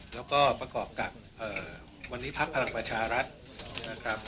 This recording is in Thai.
แล้วก็ประกอบกับวันนี้พักพลังประชารัฐนะครับ